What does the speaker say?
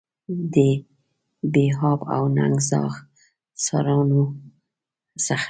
د بې آب او ننګ زاغ سارانو څخه.